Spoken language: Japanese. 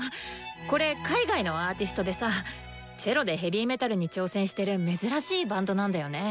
これ海外のアーティストでさチェロでヘビーメタルに挑戦してる珍しいバンドなんだよね。